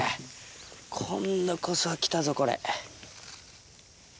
今度こそはきたぞ、これ。